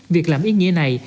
việc làm ý nghĩa này